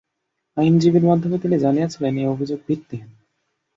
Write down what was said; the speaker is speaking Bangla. আইনজীবীর মাধ্যমে তিনি জানিয়েছেন, এ অভিযোগ ভিত্তিহীন।